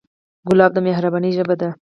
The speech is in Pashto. ګلاب د مهربانۍ ژبه ده.